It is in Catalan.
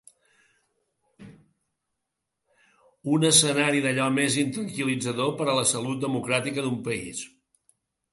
Un escenari d’allò més intranquil·litzador per a la salut democràtica d’un país.